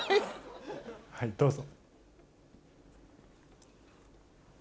はいどうぞ。